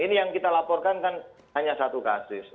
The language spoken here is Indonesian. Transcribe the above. ini yang kita laporkan kan hanya satu kasus